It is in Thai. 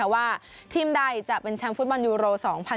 ว่าทีมใดจะเป็นแชมป์ฟุตบอลยูโร๒๐๑๖